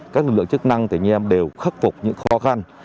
các lực lượng chức năng tỉnh anh em đều khắc phục những khó khăn